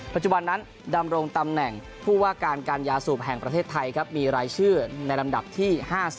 ปัจจุบันนั้นดำรงตำแหน่งผู้ว่าการการยาสูบแห่งประเทศไทยครับมีรายชื่อในลำดับที่๕๐